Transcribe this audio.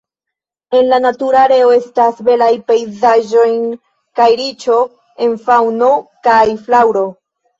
En la natura areo estas belaj pejzaĝoj kaj riĉo en faŭno kaj flaŭro.